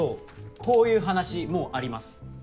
こういう話もうあります。